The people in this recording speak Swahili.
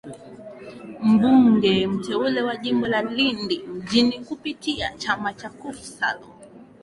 mbunge mteule wa jimbo la lindi mjini kupitia chama cha cuf salum